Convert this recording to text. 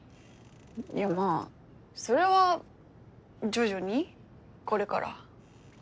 いやまあそれは徐々にこれから。